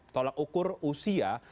tolak ukur usia